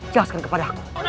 jelaskan kepada aku